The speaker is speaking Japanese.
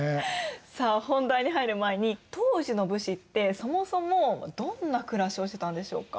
さあ本題に入る前に当時の武士ってそもそもどんな暮らしをしてたんでしょうか？